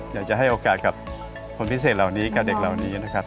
อยากจะให้โอกาสกับคนพิเศษเหล่านี้กับเด็กเหล่านี้นะครับ